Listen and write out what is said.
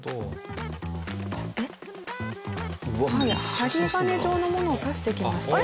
針金状のものを刺していきましたね。